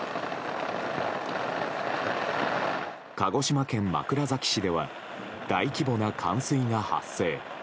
鹿児島県枕崎市では大規模な冠水が発生。